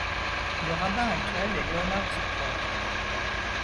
Le rabbin actuel est Leonard Zukrow.